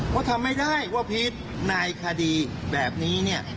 เพราะทำไม่ได้ว่าพิษในคดีแบบนี้เนี่ย